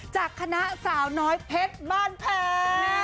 จากคณะสาวน้อยเพชรบ้านแพ้